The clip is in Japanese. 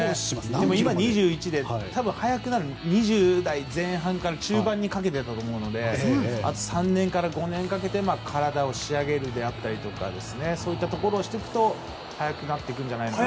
今、２１で速くなるのは２０代前半から中盤にかけてだと思うのであと３年から５年かけて体を仕上げるとかそういったところをしていくと速くなっていくと。